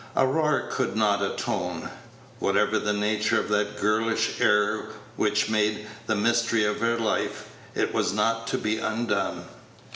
Aurora could not atone. Whatever the nature of that girlish error which made the mystery of her life, it was not to be undone.